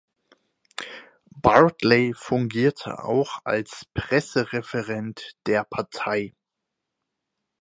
Bartley fungierte auch als Pressereferent der Partei.